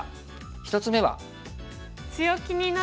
１つ目は。